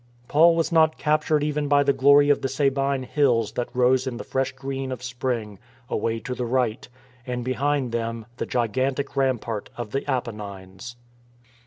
Paul was not captured even by the glory of the Sabine Hills that rose in the fresh green of spring away to the right, and behind them the gigantic ram part of the Appennines.